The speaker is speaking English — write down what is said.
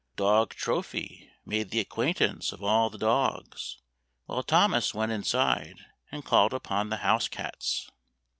Dog Trophy made the acquaintance of all the dogs, while Thomas went inside and called upon the house cats.